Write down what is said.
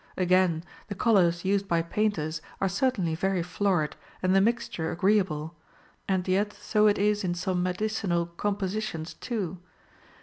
Again, the colors used by painters are certainly very florid and the mixture agreeable ; and yet so it is in some medicinal compositions too.